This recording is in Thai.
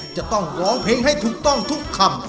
จะต้องร้องเพลงให้ถูกต้องทุกคำ